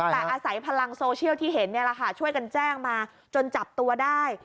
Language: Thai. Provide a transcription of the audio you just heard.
แต่อาศัยพลังโซเชียลที่เห็นช่วยกันแจ้งมาจนจับตัวได้